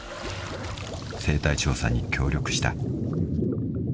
［生態調査に協力した］